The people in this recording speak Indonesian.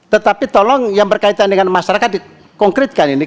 tetapi tolong yang berkaitan dengan masyarakat dikonkretkan ini